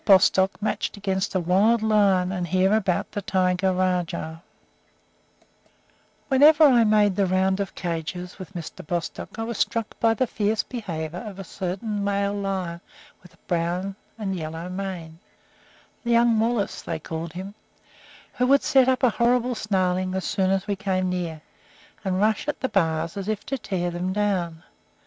BOSTOCK MATCHED AGAINST A WILD LION AND HEAR ABOUT THE TIGER RAJAH WHENEVER I made the round of cages with Mr. Bostock I was struck by the fierce behavior of a certain male lion with brown and yellow mane, "Young Wallace," they called him, who would set up a horrible snarling as soon as we came near, and rush at the bars as if to tear them down.